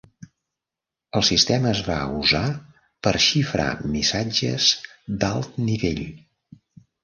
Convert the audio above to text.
El sistema es va usar per xifrar missatges d'alt nivell.